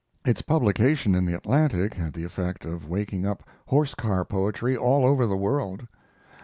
Its publication in the Atlantic had the effect of waking up horse car poetry all over the world.